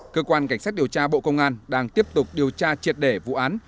cơ quan cảnh sát điều tra bộ công an đang tiếp tục điều tra triệt để vụ án